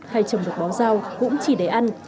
hay trồng được bó rau cũng chỉ để ăn